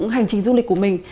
hành trình du lịch của mình